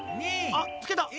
あっつけた！